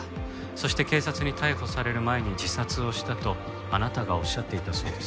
そして警察に逮捕される前に自殺をしたとあなたがおっしゃっていたそうです。